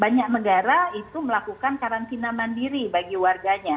banyak negara itu melakukan karantina mandiri bagi warganya